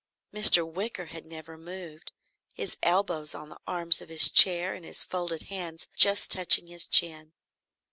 Mr. Wicker had never moved, his elbows on the arms of his chair, and his folded hands just touching his chin.